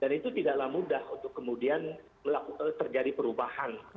dan itu tidaklah mudah untuk kemudian terjadi perubahan